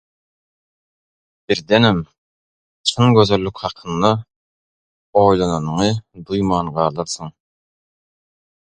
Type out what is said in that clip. Birdenem çyn gözellik hakynda oýlananyňy duýman galarsyň.